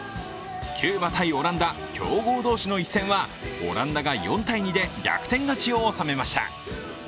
キューバ×オランダ強豪同士の一戦はオランダが４−２で逆転勝ちを収めました。